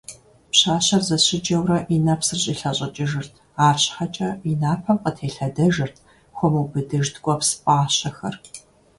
Пщащэр зэщыджэурэ и нэпсыр щӀилъэщӀыкӀыжырт, арщхьэкӀэ, и напэм къытелъэдэжырт хуэмыубыдыж ткӀуэпс пӀащэхэр.